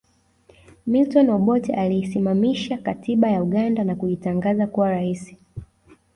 Milton Obote aliisimamisha katiba ya Uganda na kujitangaza kuwa rais